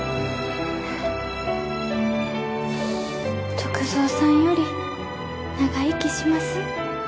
篤蔵さんより長生きします